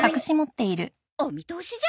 おお！お見通しじゃ！